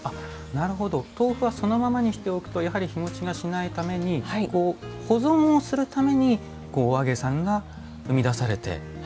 なるほど豆腐はそのままにしておくとやはり日もちがしないために保存をするためにお揚げさんが生み出されて。